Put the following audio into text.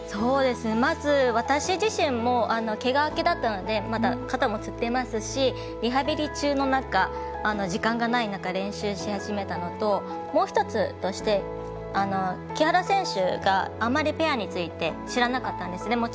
まず、私自身もけが明けだったのでまだ、肩もつってますしリハビリ中の中、時間がない中練習し始めたのともう１つとして木原選手があまりペアについて知らなかったんですね。